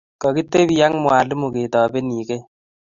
kakitebi ak mwalimu ketobenikee